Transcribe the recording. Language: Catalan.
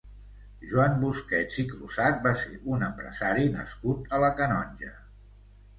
Joan Busquets i Crusat va ser un empresari nascut a la Canonja.